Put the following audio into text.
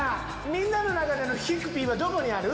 みんなの中での「ヒクピ」はどこにある？